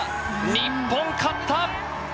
日本勝った！